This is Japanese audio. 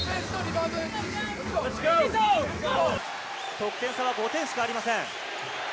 得点差は５点しかありません。